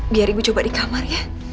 biar ibu coba di kamar ya